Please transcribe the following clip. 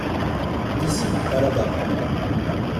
D’ici à là-bas.